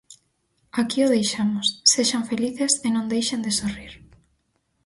Aquí o deixamos, sexan felices e non deixen de sorrir.